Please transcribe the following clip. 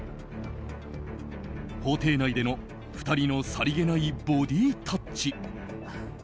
法廷内での２人のさりげないボディータッチ。